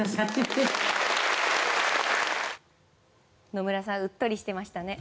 野村さんうっとりしていましたね